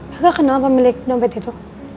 kakak kenal apa milik dompet itu